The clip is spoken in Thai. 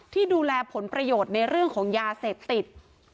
ที่ดูแลผลประโยชน์ในเรื่องของยาเสพติด